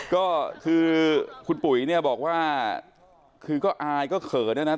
ก็คือคุณปุ๋ยเนี่ยบอกว่าคือก็อายก็เขินนะนะ